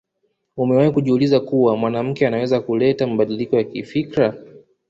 Umewahi kujiuliza kuwa mwanamke anaweza kuleta mabadiliko ya kifikra